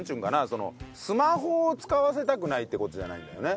そのスマホを使わせたくないっていう事じゃないんだよね。